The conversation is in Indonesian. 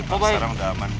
pak sekarang udah aman